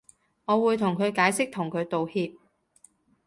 我會同佢解釋同佢道歉